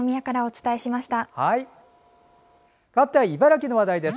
かわっては茨城の話題です。